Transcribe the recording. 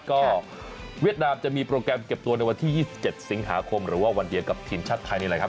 ก็เวียดนามจะมีโปรแกรมเก็บตัวในวันที่๒๗สิงหาคมหรือว่าวันเดียวกับทีมชาติไทยนี่แหละครับ